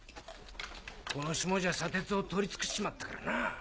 このしもじゃ砂鉄を採り尽くしちまったからなぁ。